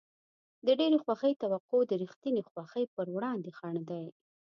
د ډېرې خوښۍ توقع د رښتینې خوښۍ په وړاندې خنډ دی.